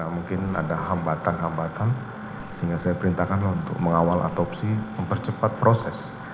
mungkin ada hambatan hambatan sehingga saya perintahkan untuk mengawal atopsi mempercepat proses